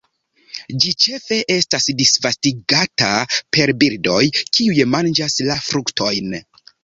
Ĝi ĉefe estas disvastigata per birdoj kiuj manĝas la fruktojn.